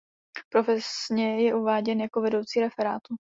Profesně je uváděn jako vedoucí referátu.